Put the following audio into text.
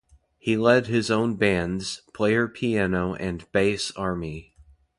He led his own bands, Player Piano and Bass Army.